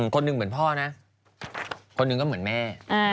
คนหนึ่งเหมือนพ่อนะคนหนึ่งก็เหมือนแม่